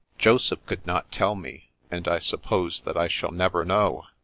" Joseph could not tell me, and I suppose that I shall never know.